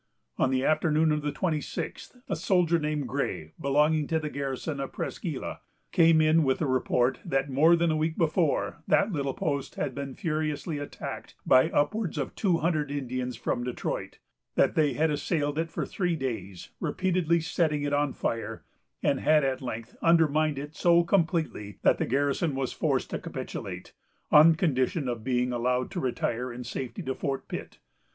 On the afternoon of the twenty sixth, a soldier named Gray, belonging to the garrison of Presqu' Isle, came in with the report that, more than a week before, that little post had been furiously attacked by upwards of two hundred Indians from Detroit, that they had assailed it for three days, repeatedly setting it on fire, and had at length undermined it so completely, that the garrison was forced to capitulate, on condition of being allowed to retire in safety to Fort Pitt.